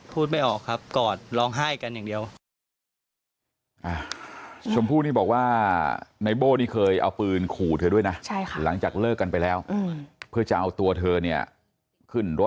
ไม่ออกครับกอดร้องไห้กันอย่างเดียว